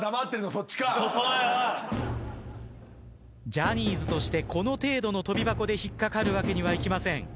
ジャニーズとしてこの程度の跳び箱で引っかかるわけにはいきません。